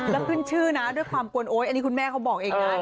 แล้วขึ้นชื่อนะด้วยความกวนโอ๊ยอันนี้คุณแม่เขาบอกเองนะ